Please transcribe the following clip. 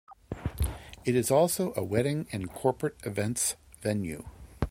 It is also a wedding and corporate events venue.